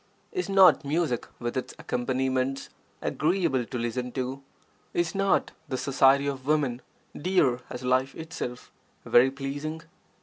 Is not music with its accompaniments agreeable to listen to? Is not the society of women, dear as life itself, very pleasing?